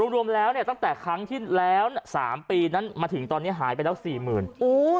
รวมแล้วตั้งแต่ครั้งที่แล้วสามปีมาถึงตอนนี้หายไปแล้ว๔๐๐๐๐